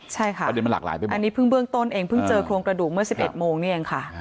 ใช่ค่ะประเด็นมันหลากหลายไปมากอันนี้เพิ่งเบื้องต้นเองเพิ่งเจอโครงกระดูกเมื่อ๑๑โมงนี่เองค่ะ